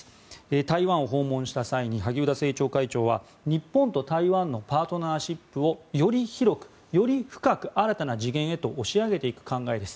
台湾を訪問した際に萩生田政調会長は日本と台湾のパートナーシップをより広く、より深く新たな次元へと押し上げていく考えです